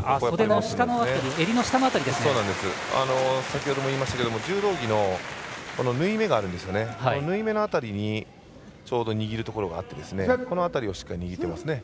先ほども言いましたけど柔道着の縫い目の辺りにちょうど握るところがあってこの辺りをしっかり握ってますね。